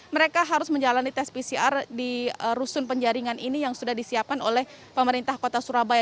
mereka harus menjalani tes pcr di rusun penjaringan ini yang sudah disiapkan oleh pemerintah kota surabaya